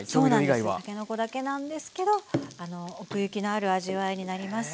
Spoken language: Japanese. たけのこだけなんですけど奥行きのある味わいになります。